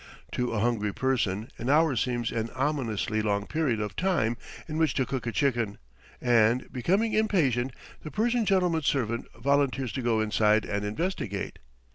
To a hungry person an hour seems an ominously long period of time in which to cook a chicken, and, becoming impatient, the Persian gentleman's servant volunteers to go inside and investigate.